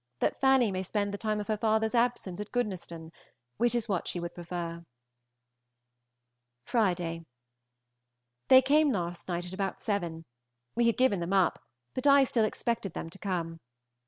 that Fanny may spend the time of her father's absence at Goodnestone, which is what she would prefer. Friday. They came last night at about seven. We had given them up, but I still expected them to come.